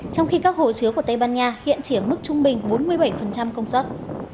trong khi các hồ chứa của tây ban nha hiện chỉ ở mức trung bình bốn mươi bảy công suất